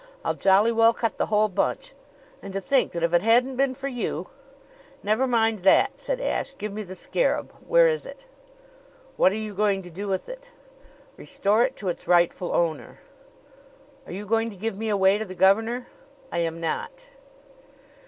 I'll jolly well cut the whole bunch! And to think that, if it hadn't been for you ..." "Never mind that," said Ashe. "Give me the scarab. Where is it?" "What are you going to do with it?" "Restore it to its rightful owner." "Are you going to give me away to the governor?" "I am not."